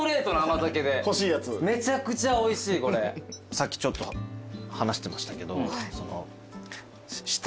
さっきちょっと話してましたけど。